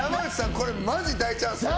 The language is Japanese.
これマジ大チャンスよ。